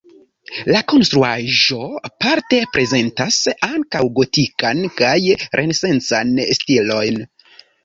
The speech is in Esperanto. La konstruaĵo parte prezentas ankaŭ gotikan kaj renesancan stilojn.